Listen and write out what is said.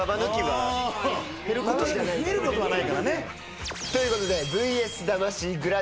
増えることはないからね。ということで。